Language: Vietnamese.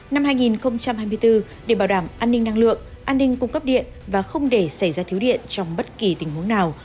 năm hai nghìn hai mươi bốn để bảo đảm an ninh năng lượng an ninh cung cấp điện và không để xảy ra thiếu điện trong bất kỳ tình huống nào